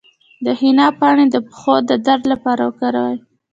د حنا پاڼې د پښو د درد لپاره وکاروئ